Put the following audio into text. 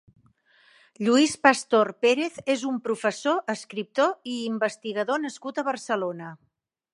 Lluís Pastor Pérez és un professor, escriptor i investigador nascut a Barcelona.